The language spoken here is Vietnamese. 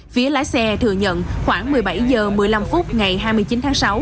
phía lái xe thừa nhận khoảng một mươi bảy h một mươi năm phút ngày hai mươi chín tháng sáu